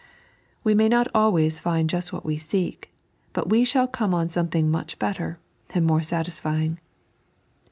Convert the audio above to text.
We may not always find just what we seek, but we shall come on something much better, and more satisfying.